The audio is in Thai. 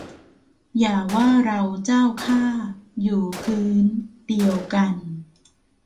อย่าว่าเราเจ้าข้า อยู่พื้น เดียวกัน